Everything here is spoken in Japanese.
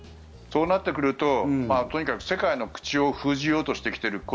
そうなってくるととにかく世界の口を封じようとしてきている。